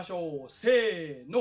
せの。